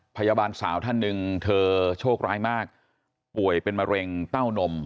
พยาบาลสาวท่านหนึ่งเธอโชคร้ายมากป่วยเป็นมะเร็งเต้านม